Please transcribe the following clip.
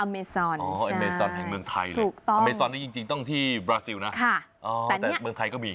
อเมซอนใช่ถูกต้องอเมซอนนี่จริงต้องที่บราซิลนะแต่เมืองไทยก็มี